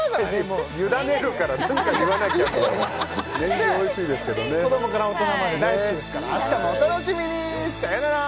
もう委ねるから何か言わなきゃと年中おいしいですけどね子どもから大人まで大好きですから明日もお楽しみにさよなら